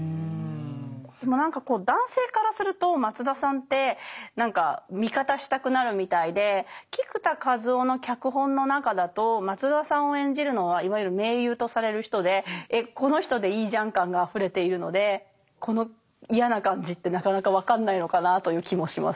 でも何かこう男性からすると松田さんって味方したくなるみたいで菊田一夫の脚本の中だと松田さんを演じるのはいわゆる名優とされる人で「えっこの人でいいじゃん」感があふれているのでこの嫌な感じってなかなか分かんないのかなという気もします。